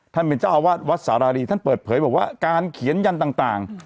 ท่านเป็นเจ้าอาวาสวัดสารีท่านเปิดเผยบอกว่าการเขียนยันต่าง